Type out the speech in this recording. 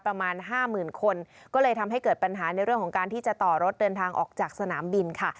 ประมาณห้าหมื่นคนก็เลยทำให้เกิดปัญหาในเรื่องของการที่จะต่อรถเดินทางออกจากสนามบินค่ะ